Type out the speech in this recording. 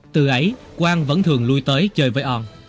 từ ấy quang vẫn thường lui tới chơi với on